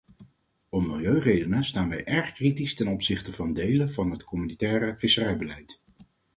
Om milieuredenen staan wij erg kritisch ten opzichte van delen van het communautaire visserijbeleid.